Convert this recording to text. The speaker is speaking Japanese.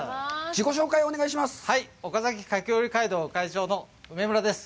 自己紹介をお願いします。